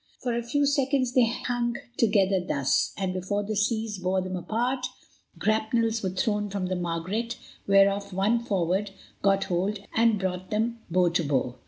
For a few seconds they hung together thus, and, before the seas bore them apart, grapnels were thrown from the Margaret whereof one forward got hold and brought them bow to bow.